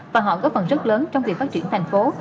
và họ góp phần rất lớn trong việc phát triển thành phố